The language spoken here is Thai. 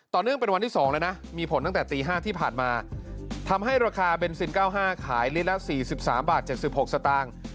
เนื่องเป็นวันที่๒แล้วนะมีผลตั้งแต่ตี๕ที่ผ่านมาทำให้ราคาเบนซิน๙๕ขายลิตรละ๔๓บาท๗๖สตางค์